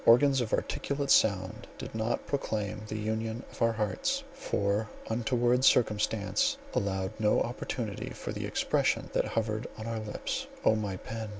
Organs of articulate sound did not proclaim the union of our hearts; for untoward circumstance allowed no opportunity for the expression that hovered on our lips. Oh my pen!